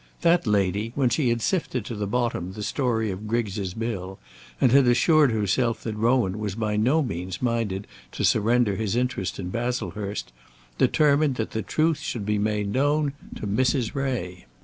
That lady, when she had sifted to the bottom the story of Griggs' bill, and had assured herself that Rowan was by no means minded to surrender his interest in Baslehurst, determined that the truth should be made known to Mrs. Ray.